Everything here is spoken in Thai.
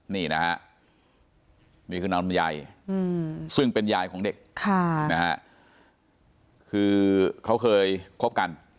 นี่นะฮะนี่คือนางลำไยซึ่งเป็นยายของเด็กคือเขาเคยคบกัน